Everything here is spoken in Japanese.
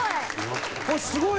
すごい！